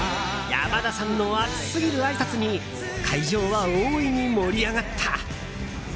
山田さんの熱すぎるあいさつに会場は大いに盛り上がった。